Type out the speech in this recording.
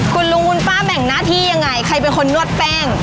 คุณลุงคุณป้าแบ่งหน้าที่ยังไงใครเป็นคนนวดแป้ง